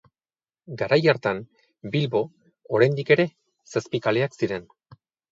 Garai hartan, Bilbo oraindik ere Zazpikaleak ziren.